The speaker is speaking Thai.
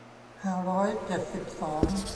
ห้าร้อยเจ็ดสิบสอง